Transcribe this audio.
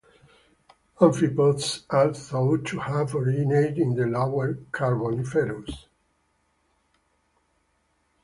Amphipods are thought to have originated in the Lower Carboniferous.